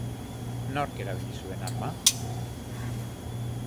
Nork erabili zuen arma?